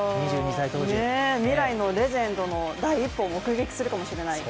未来のレジェンドの第一歩を目撃するかもしれない。